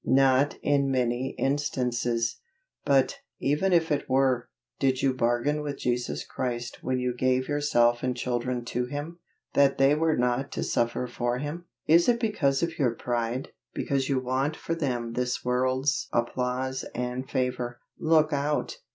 Not in many instances; but, even if it were, did you bargain with Jesus Christ when you gave yourself and children to Him, that they were not to suffer for Him? Is it because of your pride? because you want for them this world's applause and favor? Look out!